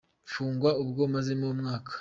mfungwa ubwo, mazemo umwaka.